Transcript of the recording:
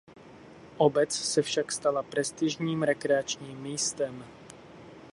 Obec se však stala prestižním rekreačním místem.